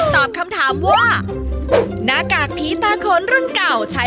ตอบคำถามว่า